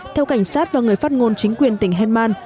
theo cảnh sát và người phát ngôn chính quyền tỉnh heman